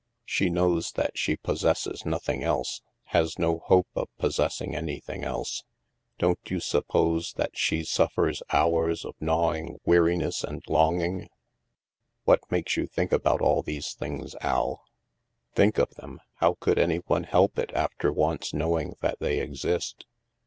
She knows that she possesses nothing else — has no hope of 288 THE MASK possessing anything else. Don't you suppose that she suffers hours of gnawing weariness and long ing?" " What makes you think about all these things, Al?" " Think of them ? How could any one help it after once knowing that they exist?